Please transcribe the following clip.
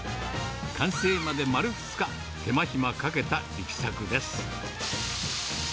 完成まで丸２日、手間暇かけた力作です。